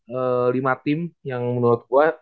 ada lima tim yang menurut gue